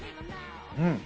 うん！